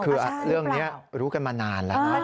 คือเรื่องนี้รู้กันมานานแล้วนะ